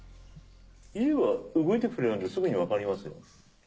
いれば動いてくれるんですぐに分かりますよ。